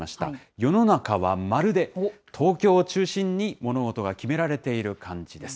世の中はまるで東京を中心に物事が決められている感じです。